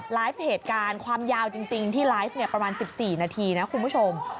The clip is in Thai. ไลฟ์เหตุการณ์ความยาวจริงที่ไลฟ์ประมาณ๑๔นาทีนะคุณผู้ชม